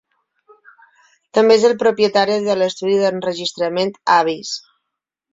També és el propietari de l'estudi d'enregistrament Abyss.